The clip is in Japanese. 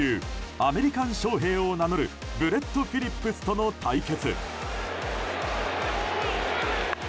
アメリカン・ショウヘイを名乗るブレット・フィリップスとの対決。